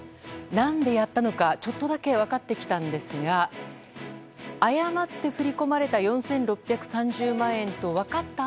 何でやったのかちょっとだけ分かってきたんですが誤って振り込まれた４６３０万円と分かった